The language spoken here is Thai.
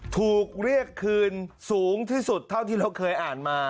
ถูกเรียกคืนสูงที่สุดเท่าที่เราเคยอ่านมา